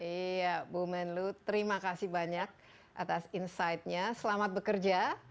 iya bu menlu terima kasih banyak atas insightnya selamat bekerja